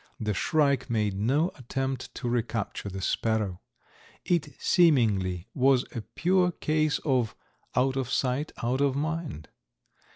The shrike made no attempt to recapture the sparrow. It seemingly was a pure case of "out of sight, out of mind."